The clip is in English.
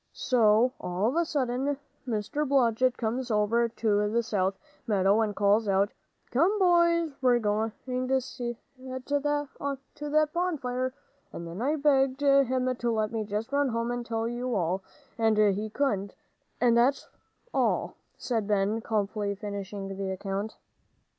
So all of a sudden Mr. Blodgett comes over to the south meadow and calls out, 'Come, boys, we're going to set to on that bonfire!' And then I begged him to let me just run home and tell you all, and he couldn't, and that's all," said Ben, calmly finishing the account.